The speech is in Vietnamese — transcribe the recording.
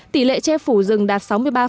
tỉ lệ che phủ rừng đạt sáu mươi ba